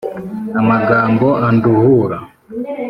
amagambo anduhura